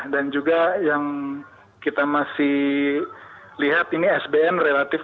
dan juga yang kita masih lihat ini sbn